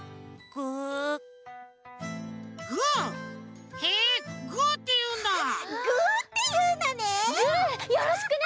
ぐーよろしくね！